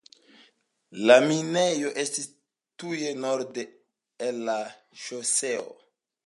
La minejo estis tuj norde el la ŝoseo.